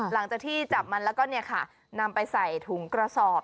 หลังจากที่จับมันแล้วก็นำไปใส่ถุงกระสอบ